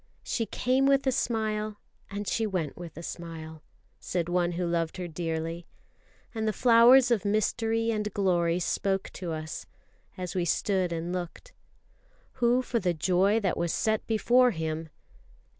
"She came with a smile, and she went with a smile," said one who loved her dearly; and the flowers of mystery and glory spoke to us, as we stood and looked. "Who for the joy that was set before Him